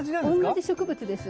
同じ植物です。